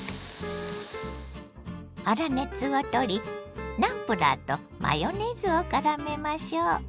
粗熱を取りナムプラーとマヨネーズをからめましょ。